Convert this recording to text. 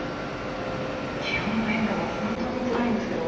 気温の変化が本当につらいんですけど